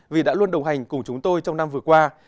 vì đã luôn đồng hành cùng chúng tôi trong năm vừa qua